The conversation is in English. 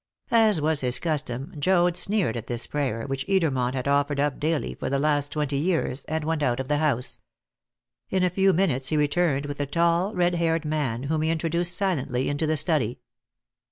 '" As was his custom, Joad sneered at this prayer, which Edermont had offered up daily for the last twenty years, and went out of the house. In a few minutes he returned with a tall, red haired man, whom he introduced silently into the study.